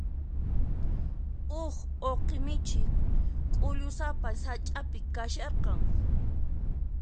Huk uqi michi k'ullusapa sach'api kasharqan.